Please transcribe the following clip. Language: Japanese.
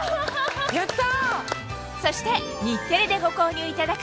やった！